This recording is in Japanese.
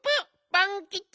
パンキチ。